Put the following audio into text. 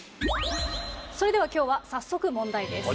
それでは今日は早速問題です。